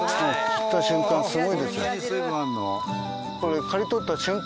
切った瞬間すごいですよ。